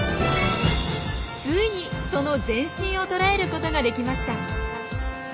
ついにその全身を捉えることができました。